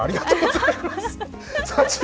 ありがとうございます。